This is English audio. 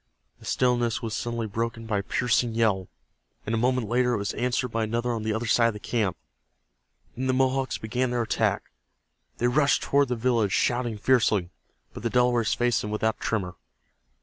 The stillness was suddenly broken by a piercing yell, and a moment later it was answered by another on the other side of the camp. Then the Mohawks began their attack. They rushed toward the village shouting fiercely, but the Delawares faced them without a tremor.